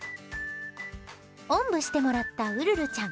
おんぶしてもらったウルルちゃん。